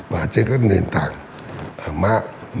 và trên các nền tảng mạng